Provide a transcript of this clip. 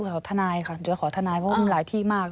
ขอทนายต้องหาทนายเพราะมีหลายที่มาก